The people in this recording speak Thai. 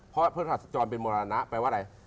เพราะพระหัสจรเป็นมรณะแปลว่าอะไร